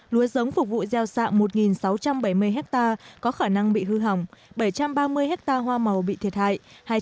lúa giống phục vụ gieo sạng một sáu trăm bảy mươi ha có khả năng bị hư hỏng bảy trăm ba mươi ha hoa màu bị thiệt hại